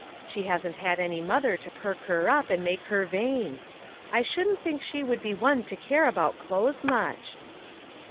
She hasn't had any mother to perk her up and make her vain. I shouldn't think she would be one to care about clothes much.'